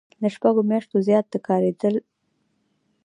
له شپږو میاشتو زیات د کار دریدل.